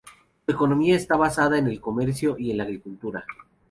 Su economía está basada en el comercio y en la agricultura.